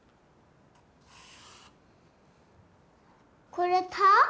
これ「た」？